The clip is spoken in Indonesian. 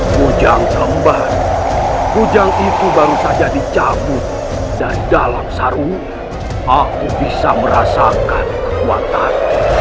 hujan kembar hujan itu baru saja dicabut dan dalam saru aku bisa merasakan kekuatan